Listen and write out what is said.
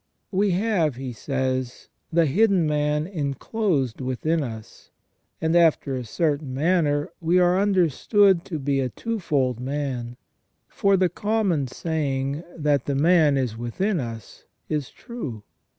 " We have," he says, " the hidden man inclosed within us, and after a certain manner we are under stood to be a twofold man ; for the common saying, that the man is within us, is true.